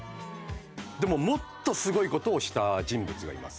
でももっとすごい事をした人物がいます。